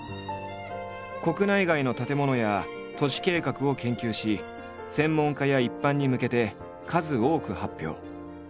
国内外の建物や都市計画を研究し専門家や一般に向けて数多く発表。